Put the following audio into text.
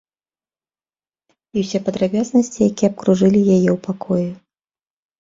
І ўсе падрабязнасці, якія абкружылі яе ў пакоі.